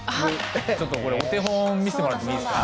ちょっとこれお手本を見せてもらってもいいですか？